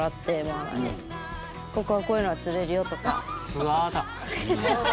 ツアーだ。